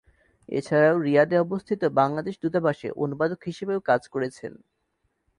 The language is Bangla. এছাড়াও রিয়াদে অবস্থিত বাংলাদেশ দূতাবাসে অনুবাদক হিসেবেও কাজ করেছেন।